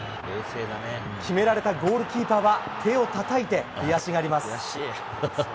決められたゴールキーパーは手をたたいて悔しがります。